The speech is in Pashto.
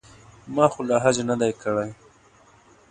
ما خو لا حج نه دی کړی.